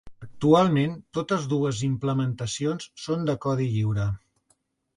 Actualment, totes dues implementacions són de codi lliure.